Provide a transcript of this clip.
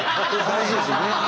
大事ですよ。